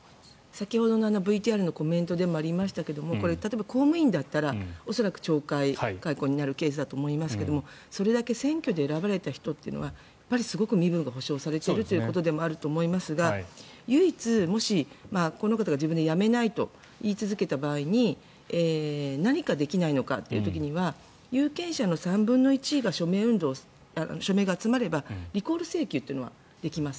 先ほどのＶＴＲのコメントでもありましたけどこれ例えば、公務員だったら恐らく懲戒解雇になるケースだと思いますがそれだけ選挙で選ばれた人というのはすごく身分が保障されているということでもあると思いますが唯一、もしこの方が自分で辞めないと言い続けた場合に何かできないのかという時には有権者の３分の１の署名が集まればリコール請求というのができます。